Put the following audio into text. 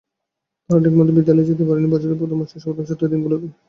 তারা ঠিকমতো বিদ্যালয়েও যেতে পারেনি বছরের প্রথম মাসের প্রথম সপ্তাহের দিনগুলোতে।